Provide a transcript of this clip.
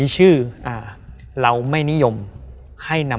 เพื่อที่จะให้แก้วเนี่ยหลอกลวงเค